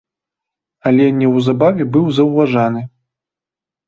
Але неўзабаве быў заўважаны.